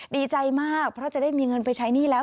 ดีใจมากเพราะจะได้มีเงินไปใช้หนี้แล้ว